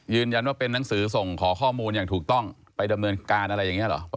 ว่าเป็นนังสือส่งขอข้อมูลอย่างถูกต้องไปดำเนินการอะไรอย่างนี้เหรอ